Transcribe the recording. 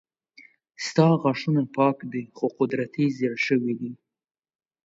ستا غاښونه پاک دي خو قدرتي زيړ شوي دي